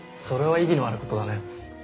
それは意義のある事だね。